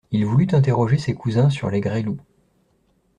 Il voulut interroger ses cousins sur les Gresloup.